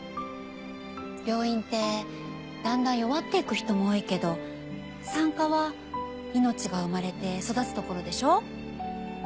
病院ってだんだん弱っていく人も多いけど産科は命が生まれて育つところでしょ。